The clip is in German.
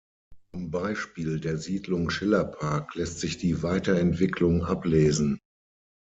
Am Beispiel der Siedlung Schillerpark lässt sich die Weiterentwicklung ablesen.